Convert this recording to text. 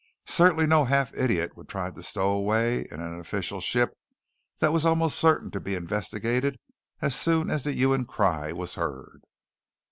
Certainly no half idiot would try to stow away in an official ship that was almost certain to be investigated as soon as the hue and cry was heard.